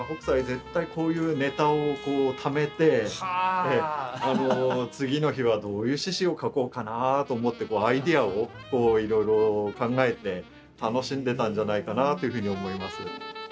絶対こういうネタをためて次の日はどういう獅子を描こうかなと思ってアイデアをいろいろ考えて楽しんでたんじゃないかなっていうふうに思います。